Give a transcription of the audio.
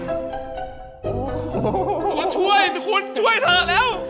ตัวช่วยคุณช่วยเธอแล้ว